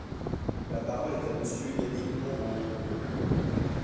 La parole est à Monsieur Yannick Moreau.